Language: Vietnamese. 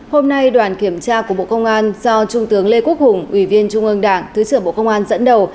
hôm nay đoàn kiểm tra của bộ công an do trung tướng lê quốc hùng ủy viên trung ương đảng thứ trưởng bộ công an dẫn đầu